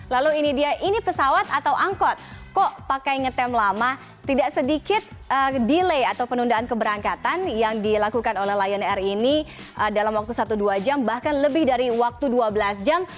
lalu ini dia ini pesawat atau angkot kok pakai ngetem lama tidak sedikit delay atau penundaan keberangkatan yang dilakukan oleh lion air ini dalam waktu satu dua jam bahkan lebih dari waktu dua belas jam